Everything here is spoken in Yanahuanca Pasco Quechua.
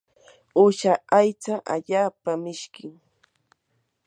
uusha aycha allaapa mishkim.